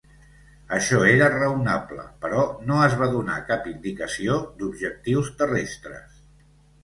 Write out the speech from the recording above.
Això era raonable, però no es va donar cap indicació d'objectius terrestres.